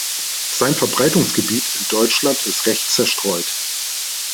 Sein Verbreitungsgebiet in Deutschland ist recht zerstreut.